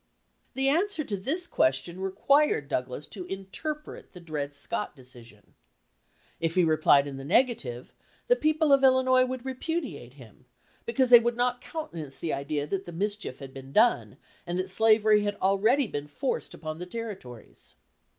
The answer to this question required Douglas to interpret the Dred Scott decision. If he replied in the negative, the people of Illinois would repudiate him, because they would not countenance the idea that the mischief had been done and that slavery had already been forced upon the Territories.